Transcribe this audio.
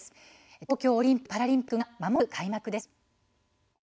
東京オリンピック・パラリンピックがまもなく開幕です。